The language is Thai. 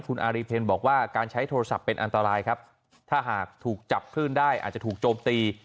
คุณอารีเทนบอกว่าการใช้โทรศัพท์เป็นอันตรายครับถ้าหากถูกจับคลื่นได้อาจจะถูกโจมตี